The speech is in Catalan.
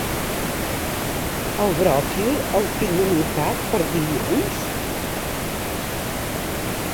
El bròquil el tinc anotat per dilluns?